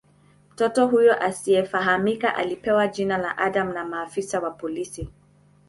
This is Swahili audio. Mtoto huyu asiyefahamika alipewa jina la "Adam" na maafisa wa polisi.